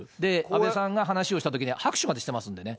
安倍さんが話をしたときに、拍手までしてますのでね。